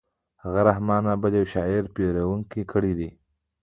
هغه د رحمن بابا د يوه شعر پيروي کړې ده.